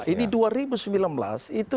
ini dua ribu sembilan belas itu